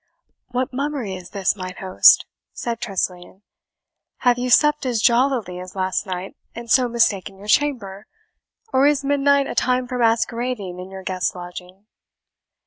"What mummery is this, mine host?" said Tressilian. "Have you supped as jollily as last night, and so mistaken your chamber? or is midnight a time for masquerading it in your guest's lodging?"